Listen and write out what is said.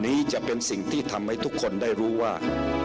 นี้จะเป็นสิ่งที่ทำให้ทุกคนได้รู้ว่า